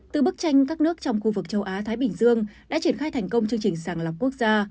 từ bức tranh các nước trong khu vực châu á thái bình dương đã triển khai thành công chương trình sàng lọc quốc gia